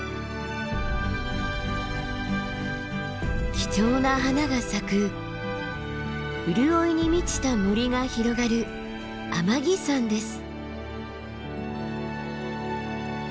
貴重な花が咲く潤いに満ちた森が広がる天城山です。